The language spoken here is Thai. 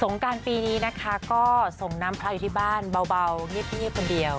งการปีนี้นะคะก็ส่งน้ำพระอยู่ที่บ้านเบาเงียบคนเดียว